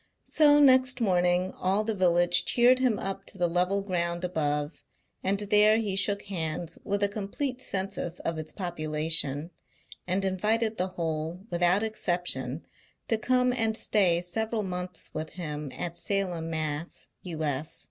So next morning all the village cheered him up to the level ground above, and there he shook hands with a complete Census of its population, and invited the whole, without exception, to come and stay several months with him at Salem, Mass., U.S.